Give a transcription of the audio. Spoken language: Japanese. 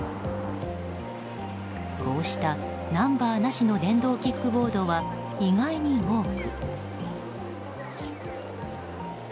こうしたナンバーなしの電動キックボードは意外に多く。